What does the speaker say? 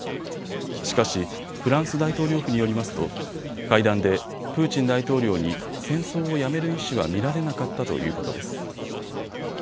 しかしフランス大統領府によりますと会談でプーチン大統領に戦争をやめる意思は見られなかったということです。